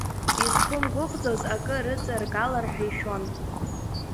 Изқәымгәыӷӡоз акы рыҵаргалар ҳәа ишәон.